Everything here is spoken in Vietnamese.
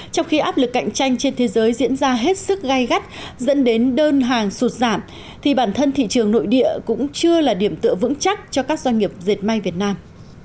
trong khi áp lực cạnh tranh trên thế giới diễn ra hết sức gai gắt dẫn đến đơn hàng sụt giảm thì bản thân thị trường nội địa cũng chưa là điểm tựa vững chắc cho các doanh nghiệp dệt may việt nam